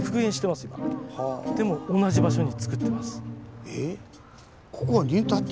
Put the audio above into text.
でも同じ場所につくってます。え？